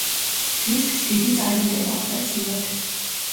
დისკს დიდი წარმატება ხვდა წილად.